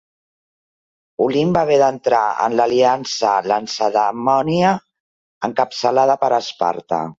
Olint va haver d'entrar en l'aliança lacedemònia encapçalada per Esparta.